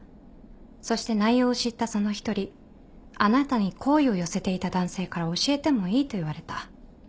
そして内容を知ったその一人あなたに好意を寄せていた男性から教えてもいいと言われた。